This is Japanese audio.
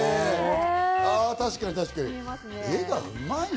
確かに、確かに。